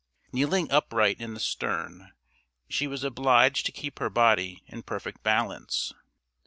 Kneeling upright in the stern, she was obliged to keep her body in perfect balance.